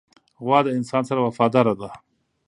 غوا د انسان سره وفاداره ده.